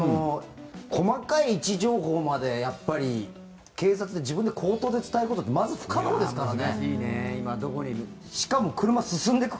細かい位置情報まで警察に自分で口頭で伝えるってまず不可能ですからね。